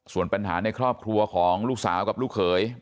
ส่วนปัญหาในครอบครัวของลูกสาวกับลูกเขย